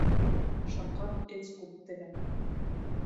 Шалҡан эс күптерә.